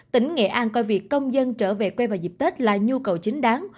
tỉnh nghệ an coi việc công dân trở về quê vào dịp tết là nhu cầu chính đáng